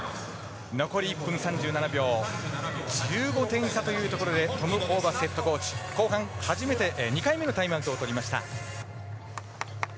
残り１分３７秒１５点差というところでトム・ホーバスヘッドコーチ後半２回目のタイムアウト。